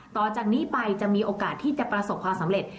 ต่อจากนี้ไปจะมีโอกาสที่จะประสบความสำเร็จ